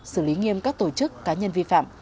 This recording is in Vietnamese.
xử lý nghiêm các tổ chức cá nhân vi phạm